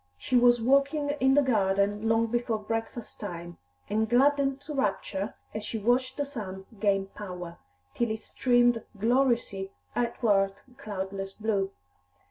She was walking in the garden long before breakfast time, and gladdened to rapture as she watched the sun gain power, till it streamed gloriously athwart cloudless blue.